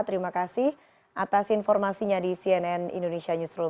terima kasih atas informasinya di cnn indonesia newsroom